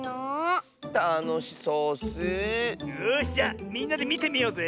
よしじゃみんなでみてみようぜ！